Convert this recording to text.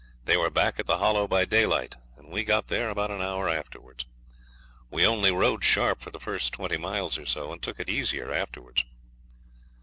They were back at the Hollow by daylight, and we got there about an hour afterwards. We only rode sharp for the first twenty miles or so, and took it easier afterwards.